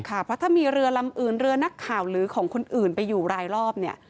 เพราะถ้ามีเรือลำอื่นเรือนักข่าวหรือของคนอื่นไปอยู่รายรอบเนี่ย